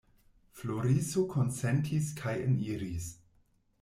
Floriso konsentis kaj eniris.